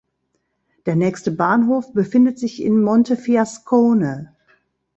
Der nächste Bahnhof befindet sich in Montefiascone.